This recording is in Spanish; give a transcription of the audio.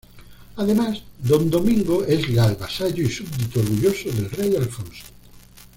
Además, don Domingo es leal vasallo y súbdito orgulloso del rey Alfonso.